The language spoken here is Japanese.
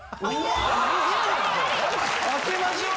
・開けましょう！